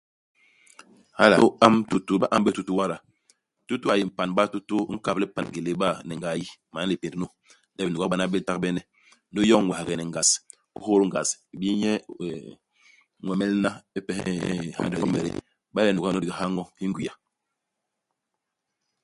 Hala. Inyu iamb tutu, ba ñamb bé tutu wada. Tutu a yé mpan u batutu. U nkap lipan ngélé iba ni ngayi. Man lipénd nu, le binuga bi bana bé litagbene. Ndi u yoñ ñwaghe ni ngas. U hôt ngas. U m'bii nye mm, ñwemel hana ipes nn hyandi hyomede hi yé. Iba le nuga i nlo ndigi i ha ño, i ngwia.